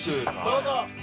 どうぞ！